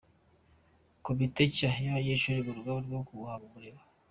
Komite nshya y’abanyeshuri mu rugamba rwo guhanga umurimo